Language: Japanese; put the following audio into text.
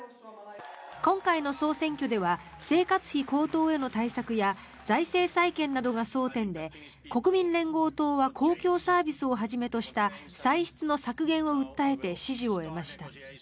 今回の総選挙では生活費高騰への対策や財政再建などが争点で国民連合党は公共サービスをはじめとした歳出の削減を訴えて支持を得ました。